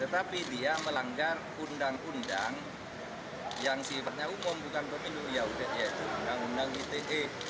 tetapi dia melanggar undang undang yang sifatnya umum bukan pemilu ya udah yaitu undang undang ite